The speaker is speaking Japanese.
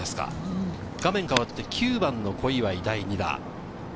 画面変わって９番の小祝、第２打。